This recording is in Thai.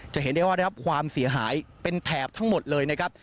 จะเห็นได้ว่าได้รับความเสียหายเป็นแถบทั้งหมดเลยนะครับ